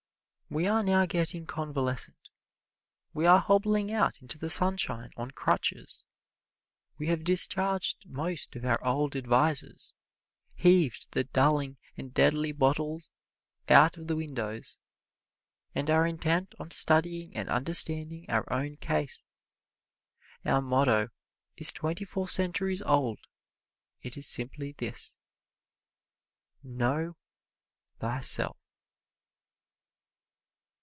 We are now getting convalescent. We are hobbling out into the sunshine on crutches. We have discharged most of our old advisers, heaved the dulling and deadly bottles out of the windows, and are intent on studying and understanding our own case. Our motto is twenty four centuries old it is simply this: KNOW THYSELF.